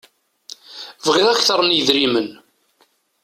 Bɣiɣ akteṛ n yedrimen.